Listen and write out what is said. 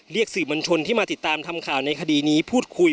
สื่อมวลชนที่มาติดตามทำข่าวในคดีนี้พูดคุย